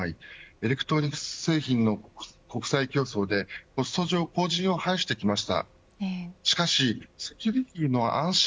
エレクトニクス製品の国際競争でコスト上後塵を拝してきました。